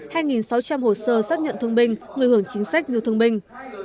hai sáu trăm linh hồ sơ xác nhận thương minh người hưởng chính sách như thương minh